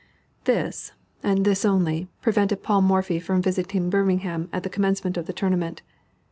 "_ This, and this only, prevented Paul Morphy from visiting Birmingham at the commencement of the tournament.